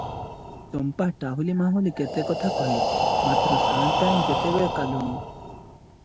ଚମ୍ପା ଟାହୁଲି ମାହୁଲି କେତେ କଥା କହେ; ମାତ୍ର ସାଆନ୍ତାଣୀ ତେତେବେଳେ କାଲୁଣୀ ।